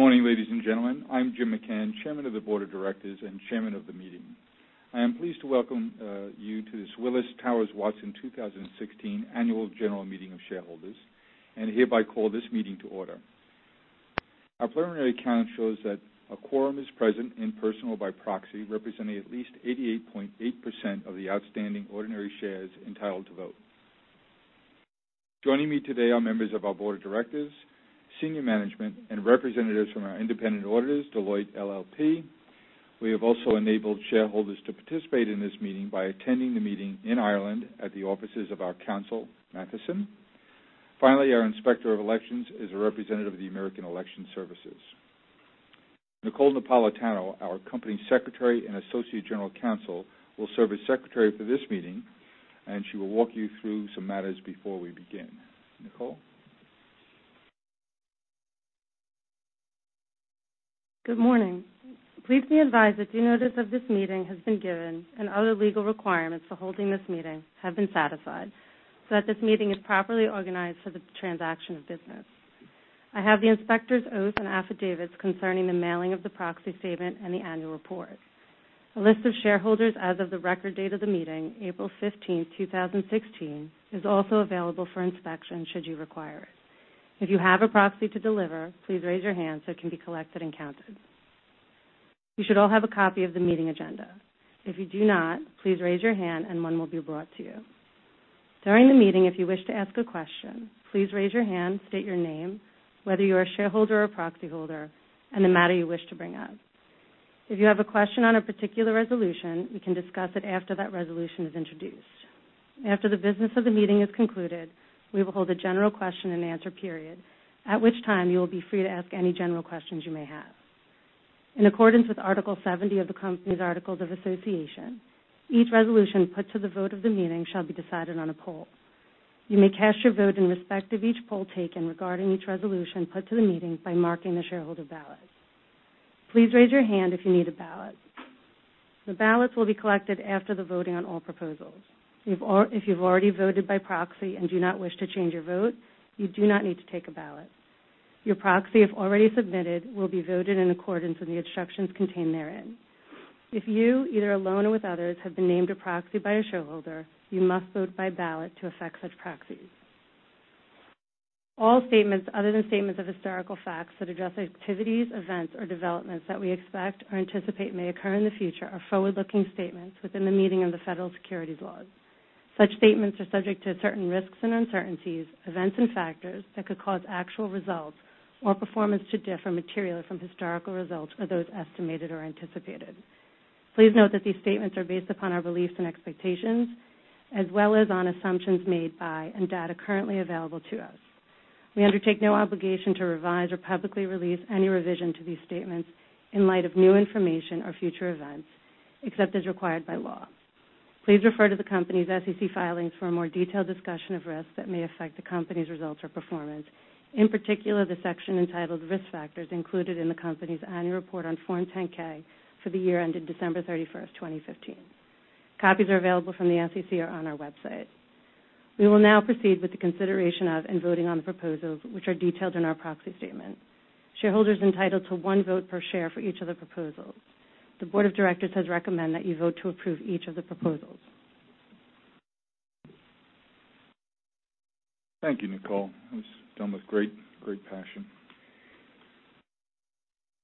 Good morning, ladies and gentlemen. I'm Jim McCann, Chairman of the Board of Directors and Chairman of the Meeting. I am pleased to welcome you to this Willis Towers Watson 2016 Annual General Meeting of Shareholders and hereby call this meeting to order. Our preliminary count shows that a quorum is present in person or by proxy, representing at least 88.8% of the outstanding ordinary shares entitled to vote. Joining me today are members of our Board of Directors, senior management, and representatives from our independent auditors, Deloitte LLP. We have also enabled shareholders to participate in this meeting by attending the meeting in Ireland at the offices of our council, Matheson. Finally, our Inspector of Elections is a representative of the American Election Services. Nicole Napolitano, our Company Secretary and associate general counsel, will serve as secretary for this meeting, and she will walk you through some matters before we begin. Nicole? Good morning. Please be advised that due notice of this meeting has been given and other legal requirements for holding this meeting have been satisfied, so that this meeting is properly organized for the transaction of business. I have the inspector's oath and affidavits concerning the mailing of the proxy statement and the annual report. A list of shareholders as of the record date of the meeting, April 15th, 2016, is also available for inspection should you require it. If you have a proxy to deliver, please raise your hand so it can be collected and counted. You should all have a copy of the meeting agenda. If you do not, please raise your hand and one will be brought to you. During the meeting, if you wish to ask a question, please raise your hand, state your name, whether you're a shareholder or proxy holder, and the matter you wish to bring up. If you have a question on a particular resolution, we can discuss it after that resolution is introduced. After the business of the meeting is concluded, we will hold a general question and answer period, at which time you will be free to ask any general questions you may have. In accordance with Article 70 of the company's Articles of Association, each resolution put to the vote of the meeting shall be decided on a poll. You may cast your vote in respect of each poll taken regarding each resolution put to the meeting by marking the shareholder ballot. Please raise your hand if you need a ballot. The ballots will be collected after the voting on all proposals. If you've already voted by proxy and do not wish to change your vote, you do not need to take a ballot. Your proxy, if already submitted, will be voted in accordance with the instructions contained therein. If you, either alone or with others, have been named a proxy by a shareholder, you must vote by ballot to affect such proxies. All statements other than statements of historical facts that address activities, events, or developments that we expect or anticipate may occur in the future are forward-looking statements within the meaning of the federal securities laws. Such statements are subject to certain risks and uncertainties, events, and factors that could cause actual results or performance to differ materially from historical results or those estimated or anticipated. Please note that these statements are based upon our beliefs and expectations as well as on assumptions made by and data currently available to us. We undertake no obligation to revise or publicly release any revision to these statements in light of new information or future events, except as required by law. Please refer to the company's SEC filings for a more detailed discussion of risks that may affect the company's results or performance. In particular, the section entitled Risk Factors included in the company's annual report on Form 10-K for the year ended December 31st, 2015. Copies are available from the SEC or on our website. We will now proceed with the consideration of and voting on the proposals which are detailed in our proxy statement. Shareholders are entitled to one vote per share for each of the proposals. The board of directors has recommended that you vote to approve each of the proposals. Thank you, Nicole. That was done with great passion.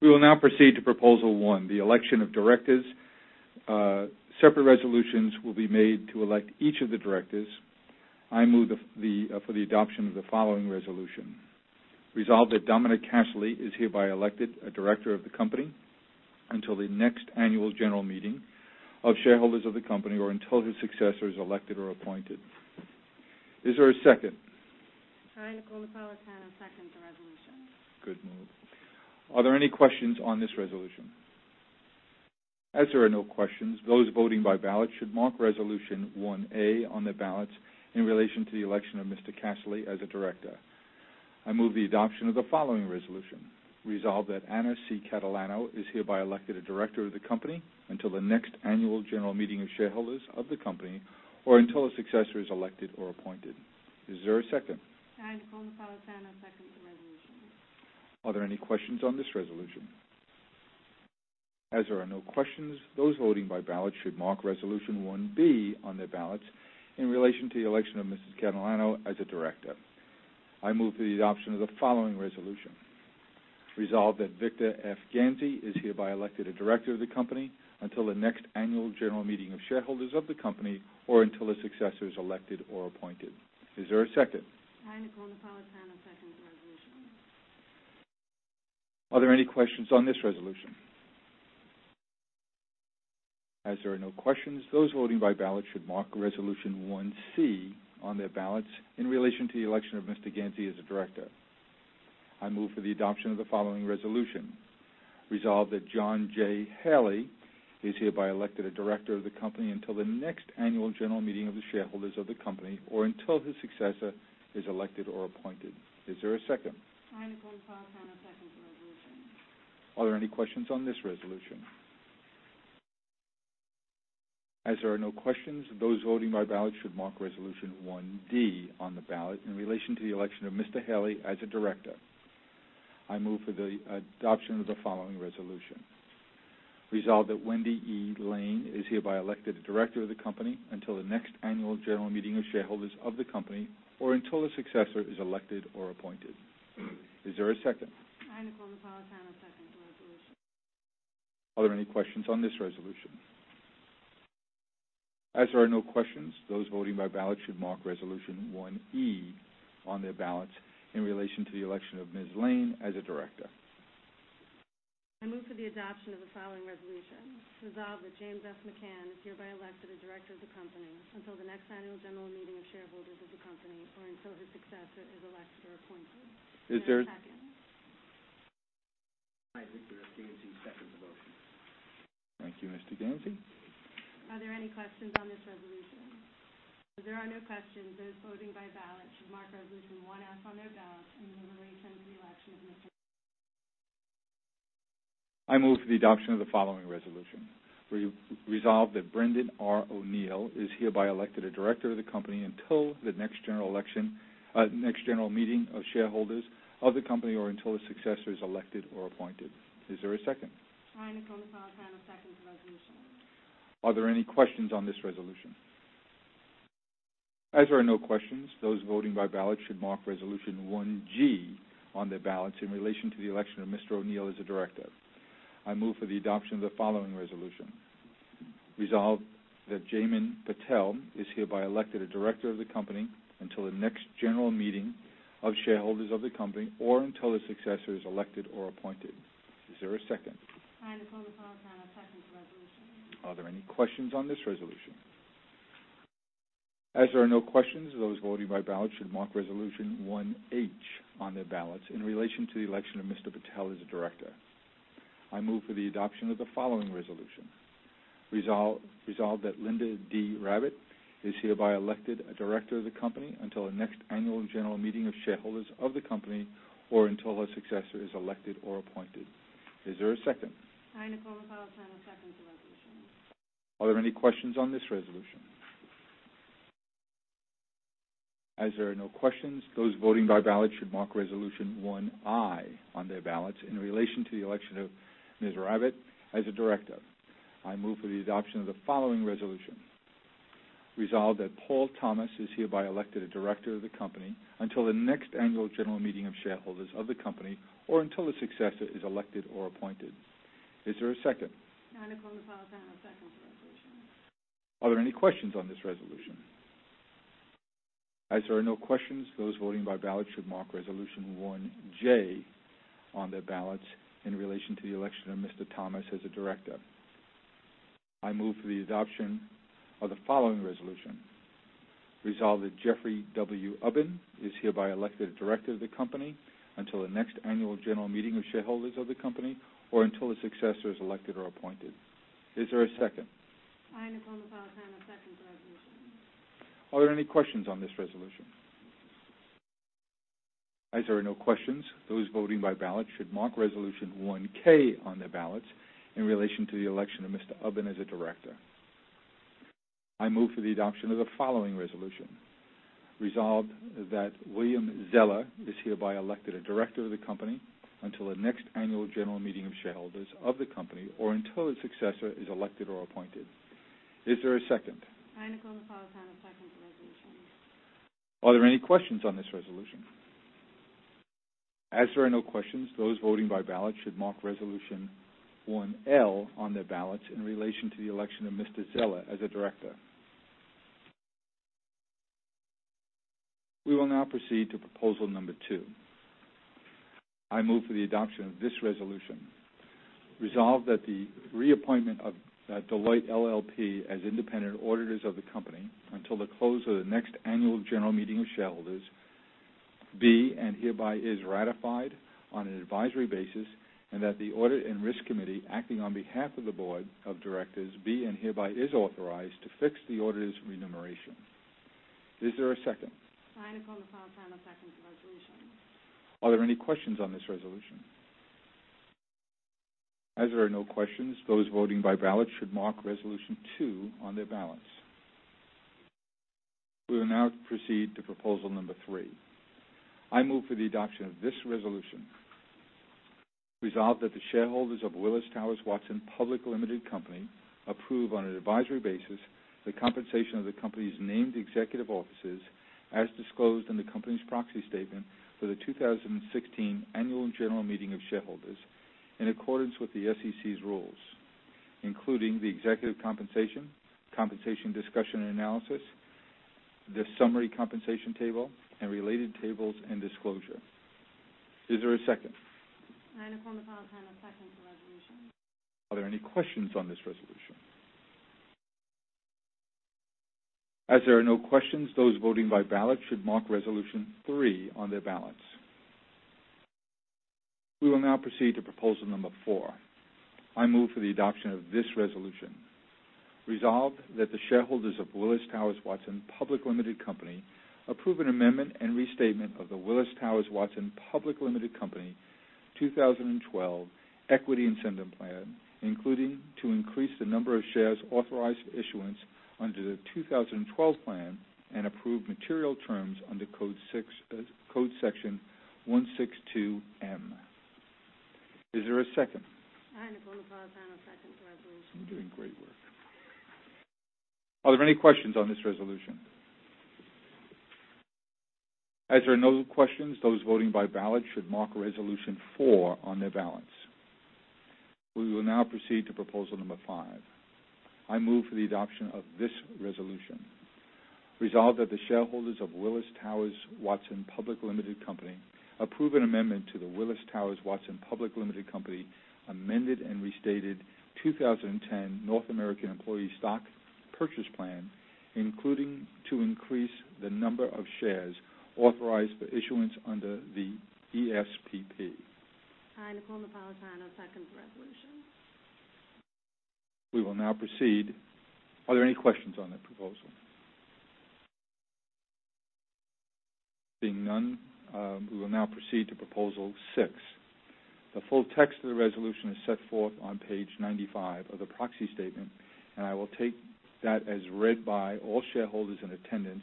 We will now proceed to proposal one, the election of directors. Separate resolutions will be made to elect each of the directors. I move for the adoption of the following resolution. Resolved that Dominic Casserley is hereby elected a director of the company until the next annual general meeting of shareholders of the company or until his successor is elected or appointed. Is there a second? I, Nicole Napolitano, second the resolution. Good move. Are there any questions on this resolution? As there are no questions, those voting by ballot should mark Resolution 1A on their ballots in relation to the election of Mr. Casserley as a director. I move the adoption of the following resolution. Resolved that Anna C. Catalano is hereby elected a director of the company until the next annual general meeting of shareholders of the company or until a successor is elected or appointed. Is there a second? I, Nicole Napolitano, second the resolution. Are there any questions on this resolution? As there are no questions, those voting by ballot should mark Resolution 1B on their ballots in relation to the election of Mrs. Catalano as a director. I move for the adoption of the following resolution. Resolved that Victor F. Ganzi is hereby elected a director of the company until the next annual general meeting of shareholders of the company or until a successor is elected or appointed. Is there a second? I, Nicole Napolitano, second the resolution. Are there any questions on this resolution? As there are no questions, those voting by ballot should mark Resolution 1C on their ballots in relation to the election of Mr. Ganzi as a director. I move for the adoption of the following resolution. Resolved that John J. Haley is hereby elected a director of the company until the next Annual General Meeting of Shareholders of the company or until his successor is elected or appointed. Is there a second? I, Nicole Napolitano, second the resolution. Are there any questions on this resolution? As there are no questions, those voting by ballot should mark Resolution 1D on the ballot in relation to the election of Mr. Haley as a director. I move for the adoption of the following resolution. Resolved that Wendy E. Lane is hereby elected a director of the company until the next Annual General Meeting of Shareholders of the company, or until a successor is elected or appointed. Is there a second? I, Nicole Napolitano, second the resolution. Are there any questions on this resolution? As there are no questions, those voting by ballot should mark Resolution 1E on their ballots in relation to the election of Ms. Lane as a director. I move for the adoption of the following resolution. Resolved that James F. McCann is hereby elected a director of the company until the next annual general meeting of shareholders of the company, or until his successor is elected or appointed. Is there- Is there a second? I, Victor Ganzi, second the motion. Thank you, Mr. Ganzi. Are there any questions on this Resolution? As there are no questions, those voting by ballot should mark Resolution 1F on their ballot in relation to the election of Mr. McCann. I move for the adoption of the following resolution. Resolved that Brendan R. O'Neill is hereby elected a director of the company until the next general meeting of shareholders of the company, or until a successor is elected or appointed. Is there a second? I, Nicole Napolitano, second the resolution. Are there any questions on this resolution? As there are no questions, those voting by ballot should mark Resolution 1G on their ballots in relation to the election of Mr. O'Neill as a director. I move for the adoption of the following resolution. Resolved that Jaymin Patel is hereby elected a director of the company until the next general meeting of shareholders of the company, or until a successor is elected or appointed. Is there a second? I, Nicole Napolitano, second the resolution. Are there any questions on this resolution? As there are no questions, those voting by ballot should mark Resolution 1H on their ballots in relation to the election of Mr. Patel as a director. I move for the adoption of the following resolution. Resolved that Linda D. Rabbitt is hereby elected a director of the company until the next annual general meeting of shareholders of the company, or until her successor is elected or appointed. Is there a second? I, Nicole Napolitano, second the resolution. Are there any questions on this resolution? As there are no questions, those voting by ballot should mark Resolution 1I on their ballots in relation to the election of Ms. Rabbitt as a director. I move for the adoption of the following resolution. Resolved that Paul Thomas is hereby elected a director of the company until the next annual general meeting of shareholders of the company, or until a successor is elected or appointed. Is there a second? I, Nicole Napolitano, second the resolution. Are there any questions on this resolution? As there are no questions, those voting by ballot should mark Resolution 1J on their ballots in relation to the election of Paul Thomas as a director. I move for the adoption of the following resolution. Resolved that Jeffrey W. Ubben is hereby elected a director of the company until the next annual general meeting of shareholders of the company, or until a successor is elected or appointed. Is there a second? I, Nicole Napolitano, second the resolution. Are there any questions on this resolution? As there are no questions, those voting by ballot should mark Resolution 1K on their ballots in relation to the election of Jeffrey W. Ubben as a director. I move for the adoption of the following resolution. Resolved that Wilhelm Zeller is hereby elected a director of the company until the next annual general meeting of shareholders of the company, or until a successor is elected or appointed. Is there a second? I, Nicole Napolitano, second the resolution. Are there any questions on this resolution? As there are no questions, those voting by ballot should mark Resolution 1L on their ballots in relation to the election of Mr. Zeller as a director. We will now proceed to proposal number 2. I move for the adoption of this resolution. Resolved that the reappointment of Deloitte LLP as independent auditors of the company until the close of the next annual general meeting of shareholders be and hereby is ratified on an advisory basis, and that the Audit and Risk Committee, acting on behalf of the Board of Directors, be and hereby is authorized to fix the auditors' remuneration. Is there a second? I, Nicole Napolitano, second the resolution. Are there any questions on this resolution? As there are no questions, those voting by ballot should mark Resolution 2 on their ballots. We will now proceed to proposal number 3. I move for the adoption of this resolution. Resolved that the shareholders of Willis Towers Watson Public Limited Company approve on an advisory basis the compensation of the company's named executive officers as disclosed in the company's proxy statement for the 2016 Annual General Meeting of Shareholders in accordance with the SEC's rules, including the executive compensation discussion and analysis, the summary compensation table, and related tables and disclosure. Is there a second? I, Nicole Napolitano, second the resolution. Are there any questions on this resolution? As there are no questions, those voting by ballot should mark Resolution 3 on their ballots. We will now proceed to Proposal number 4. I move for the adoption of this resolution. Resolved that the shareholders of Willis Towers Watson Public Limited Company approve an amendment and restatement of the Willis Towers Watson Public Limited Company 2012 Equity Incentive Plan, including to increase the number of shares authorized for issuance under the 2012 Plan and approve material terms under Code Section 162(m). Is there a second? I, Nicole Napolitano, second the resolution. You're doing great work. Are there any questions on this resolution? As there are no questions, those voting by ballot should mark Resolution 4 on their ballots. We will now proceed to Proposal number 5. I move for the adoption of this resolution. Resolved that the shareholders of Willis Towers Watson Public Limited Company approve an amendment to the Willis Towers Watson Public Limited Company Amended and Restated 2010 North American Employee Stock Purchase Plan, including to increase the number of shares authorized for issuance under the ESPP. I, Nicole Napolitano, second the resolution. Are there any questions on that proposal? Being none, we will now proceed to proposal 6. The full text of the resolution is set forth on page 95 of the proxy statement, I will take that as read by all shareholders in attendance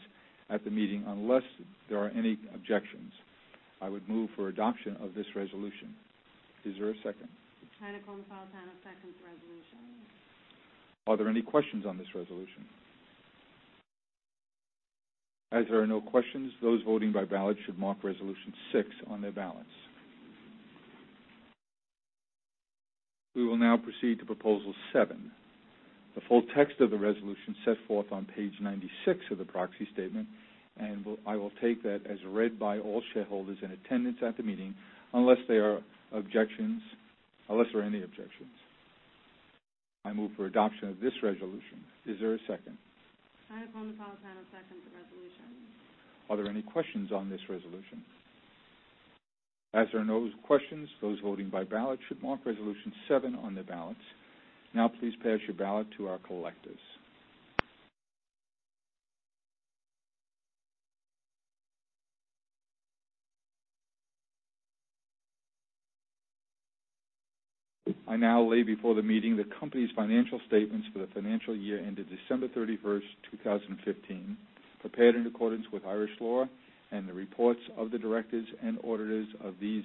at the meeting, unless there are any objections. I would move for adoption of this resolution. Is there a second? I, Nicole Napolitano, second the resolution. Are there any questions on this resolution? As there are no questions, those voting by ballot should mark resolution 6 on their ballots. We will now proceed to proposal 7. The full text of the resolution set forth on page 96 of the proxy statement, I will take that as read by all shareholders in attendance at the meeting, unless there are any objections. I move for adoption of this resolution. Is there a second? I, Nicole Napolitano, second the resolution. Are there any questions on this resolution? As there are no questions, those voting by ballot should mark Resolution seven on their ballots. Now, please pass your ballot to our collectors. I now lay before the meeting the company's financial statements for the financial year ended December 31st, 2015, prepared in accordance with Irish law and the reports of the directors and auditors of these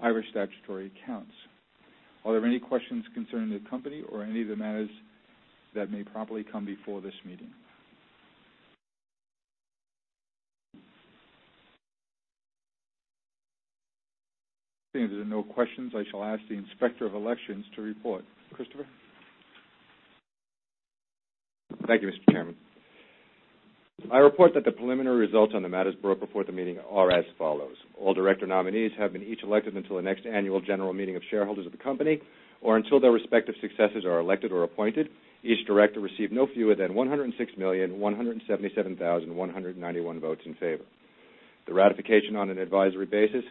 Irish statutory accounts. Are there any questions concerning the company or any of the matters that may properly come before this meeting? Seeing there are no questions, I shall ask the Inspector of Elections to report. Christopher? Thank you, Mr. Chairman. I report that the preliminary results on the matters brought before the meeting are as follows. All director nominees have been each elected until the next annual general meeting of shareholders of the company or until their respective successors are elected or appointed. Each director received no fewer than 106,177,191 votes in favor. The ratification on an advisory basis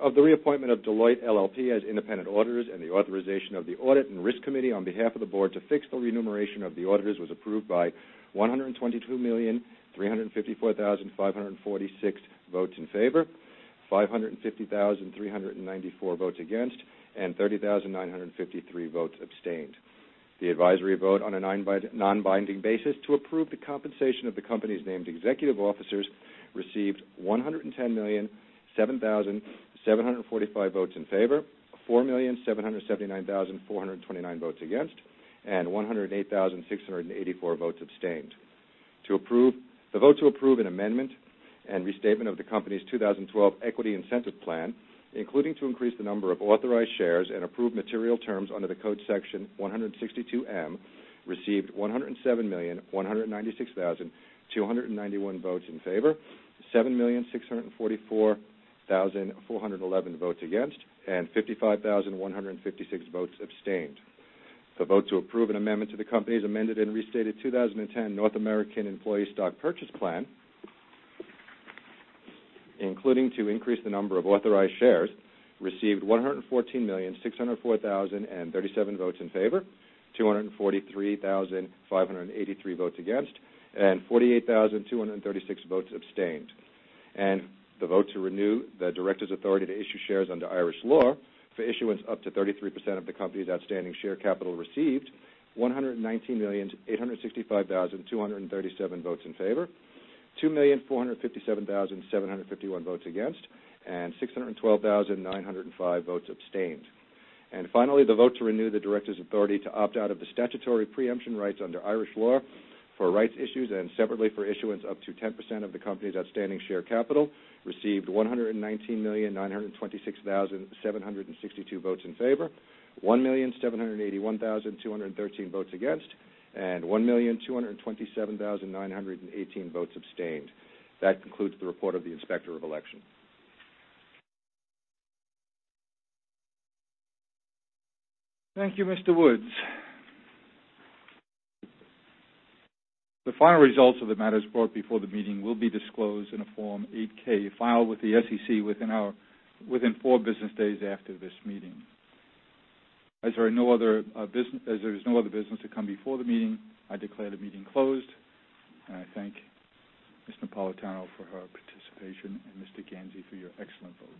of the reappointment of Deloitte LLP as independent auditors and the authorization of the Audit and Risk Committee on behalf of the board to fix the remuneration of the auditors was approved by 122,354,546 votes in favor, 550,394 votes against, and 30,953 votes abstained. The advisory vote on a non-binding basis to approve the compensation of the company's named executive officers received 110,007,745 votes in favor, 4,779,429 votes against, and 108,684 votes abstained. The vote to approve an amendment and restatement of the company's 2012 Equity Incentive Plan, including to increase the number of authorized shares and approve material terms under the Code Section 162(m), received 107,196,291 votes in favor, 7,644,411 votes against, and 55,156 votes abstained. The vote to approve an amendment to the company's Amended and Restated 2010 North American Employee Stock Purchase Plan, including to increase the number of authorized shares, received 114,604,037 votes in favor, 243,583 votes against, and 48,236 votes abstained. The vote to renew the directors' authority to issue shares under Irish law for issuance up to 33% of the company's outstanding share capital received 119,865,237 votes in favor, 2,457,751 votes against, and 612,905 votes abstained. Finally, the vote to renew the directors' authority to opt out of the statutory preemption rights under Irish law for rights issues and separately for issuance up to 10% of the company's outstanding share capital received 119,926,762 votes in favor, 1,781,213 votes against, and 1,227,918 votes abstained. That concludes the report of the Inspector of Elections. Thank you, Mr. Woods. The final results of the matters brought before the meeting will be disclosed in a Form 8-K filed with the SEC within four business days after this meeting. As there is no other business to come before the meeting, I declare the meeting closed, and I thank Ms. Napolitano for her participation and Mr. Ganzi for your excellent vote